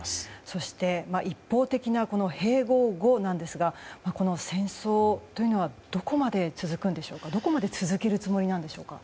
そして一方的な併合後なんですがこの戦争というのはどこまで続けるつもりなんでしょうか。